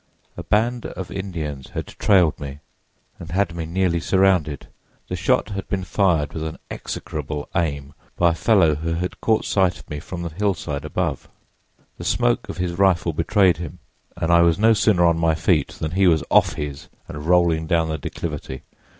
A band of Indians had trailed me and had me nearly surrounded; the shot had been fired with an execrable aim by a fellow who had caught sight of me from the hillside above. The smoke of his rifle betrayed him, and I was no sooner on my feet than he was off his and rolling down the declivity.